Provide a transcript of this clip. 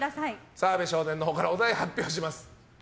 澤部少年のほうからお題発表します。